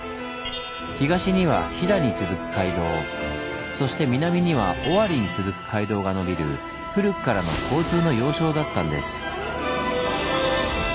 東には飛騨に続く街道そして南には尾張に続く街道がのびる古くからの交通の要衝だったんです。